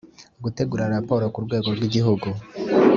gutegura raporo ku rwego rw Igihugu